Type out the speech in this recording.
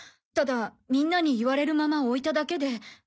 ただみんなに言われるまま置いただけで。